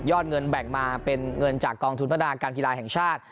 เงินแบ่งมาเป็นเงินจากกองทุนพัฒนาการกีฬาแห่งชาติ